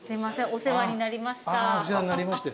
お世話になりました。